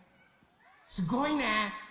すごいね。